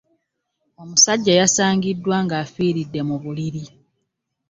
Omusajja yasangiddwa ng'afiridde mu buliri.